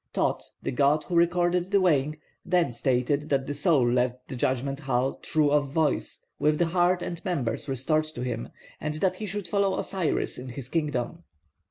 Thōth, the god who recorded the weighing, then stated that the soul left the judgment hall true of voice with his heart and members restored to him, and that he should follow Osiris in his kingdom.